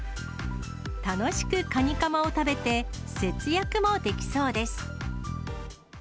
楽しくカニカマを食べて、節約もできそうです。